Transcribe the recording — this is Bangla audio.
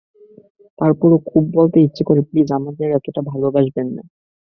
তার পরও খুব বলতে ইচ্ছে করে, প্লিজ, আমাদের এতটা ভালোবাসবেন না।